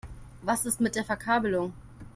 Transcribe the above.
Was ist mit der Verkabelung?